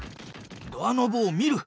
ドアノブを見る。